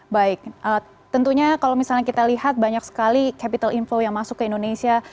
baik tentunya kalau misalnya kita lihat banyak sekali capital inflow yang masuk ke indonesia